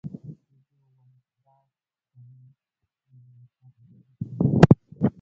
جوجو وويل، دا سړي مې د مکتب اداره کې ولید.